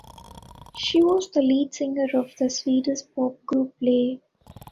She was the lead singer of the Swedish pop group Play.